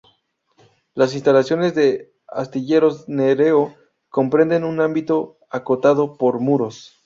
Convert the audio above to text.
Las instalaciones de Astilleros Nereo comprenden un ámbito, acotado por muros.